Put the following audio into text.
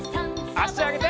あしあげて。